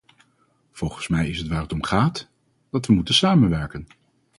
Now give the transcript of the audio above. Volgens mij is waar het om gaat, dat we moeten samenwerken.